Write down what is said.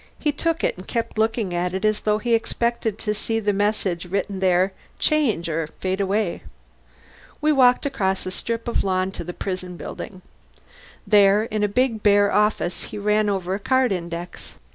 He took it and kept looking at it as though he expected to see the message written there change or fade away. We walked across a strip of lawn to the prison building. There, in a big bare office, he ran over a card index.